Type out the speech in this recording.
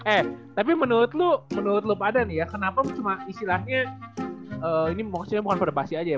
eh tapi menurut lu pada nih ya kenapa cuma istilahnya ini maksudnya bukan verbasi aja ya